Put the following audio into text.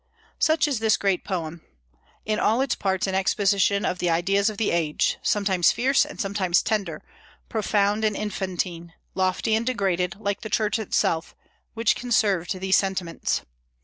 Such is this great poem; in all its parts and exposition of the ideas of the age, sometimes fierce and sometimes tender, profound and infantine, lofty and degraded, like the Church itself, which conserved these sentiments.